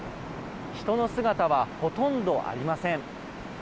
人の姿は、ほとんどありません。